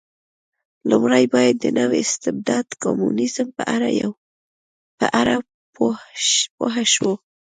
لومړی باید د نوي استبداد کمونېزم په اړه پوه شو.